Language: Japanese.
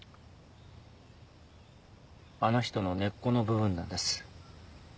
あの人の根っこの部分なんです。